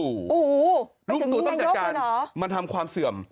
ลุงตูต้องจัดการมาทำความเสื่อม